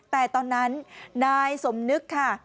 แต่ตอนนั้นนายสมนึกค่ะ